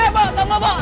eh bu temu bu